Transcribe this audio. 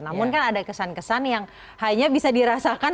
namun kan ada kesan kesan yang hanya bisa dirasakan